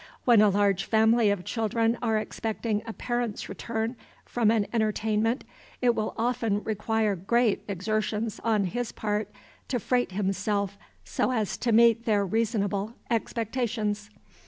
When a large family of children are expecting a parent's return from an entertainment, it will often require great exertions on his part to freight himself so as to meet their reasonable expectations.